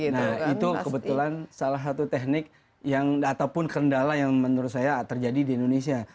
nah itu kebetulan salah satu teknik ataupun kendala yang menurut saya terjadi di indonesia